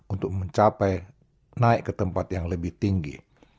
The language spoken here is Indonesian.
untuk mencapai naik ke tempat yang lebih tinggi